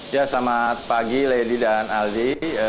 ya selamat pagi lady dan aldi